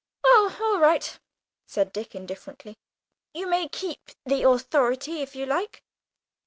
"Oh, all right," said Dick indifferently, "you may keep the authority if you like."